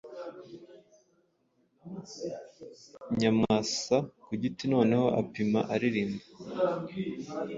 Nyamwasa ku giti noneho apima aririmba